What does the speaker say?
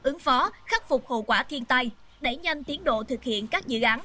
ứng phó khắc phục hậu quả thiên tai đẩy nhanh tiến độ thực hiện các dự án